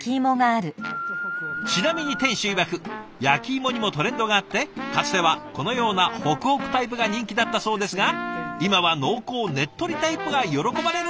ちなみに店主いわく焼き芋にもトレンドがあってかつてはこのようなほくほくタイプが人気だったそうですが今は濃厚ねっとりタイプが喜ばれるんだとか！